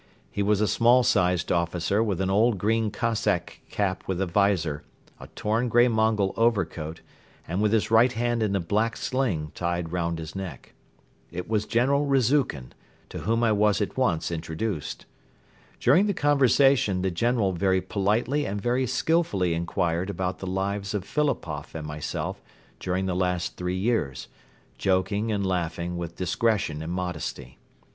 He was a small sized officer with an old green Cossack cap with a visor, a torn grey Mongol overcoat and with his right hand in a black sling tied around his neck. It was General Rezukhin, to whom I was at once introduced. During the conversation the General very politely and very skilfully inquired about the lives of Philipoff and myself during the last three years, joking and laughing with discretion and modesty.